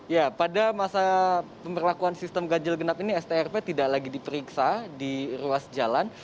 ya pada masa pemberlakuan sistem ganjil genap ini strp tidak lagi diperiksa di ruas jalan